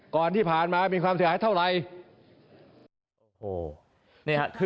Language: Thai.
ก่อนที่ผ่านมามีความเสียหายเท่าไหร่